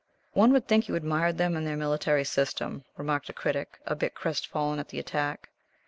"One would think you admired them and their military system," remarked the Critic, a bit crest fallen at the attack.